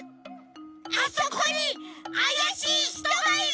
あそこにあやしいひとがいる！